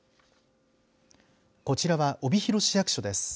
こちらは帯広市役所です。